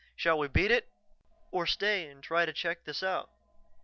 Shall we beat it or stay and try to check this out?"